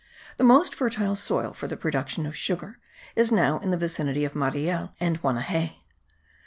The most fertile soil for the production of sugar is now in the vicinity of Mariel and Guanajay.